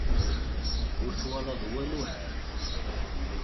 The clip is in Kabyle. Ur twalaḍ walu ɛad.